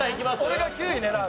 俺が９位狙う。